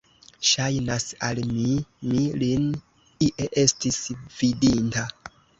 Ŝajnas al mi, mi lin ie estis vidinta!